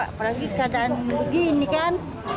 apalagi keadaan begini kan